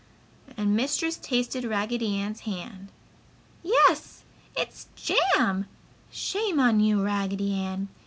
and Mistress tasted Raggedy Ann's hand. "Yes! It's JAM! Shame on you, Raggedy Ann!